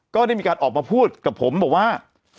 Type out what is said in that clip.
ก็ได้มีการออกมาพูดกับผมบอกว่า